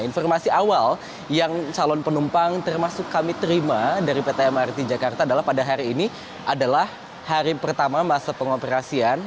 informasi awal yang calon penumpang termasuk kami terima dari pt mrt jakarta adalah pada hari ini adalah hari pertama masa pengoperasian